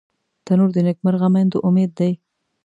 تنور د نیکمرغه میندو امید دی